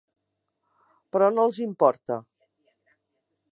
Però no els importa.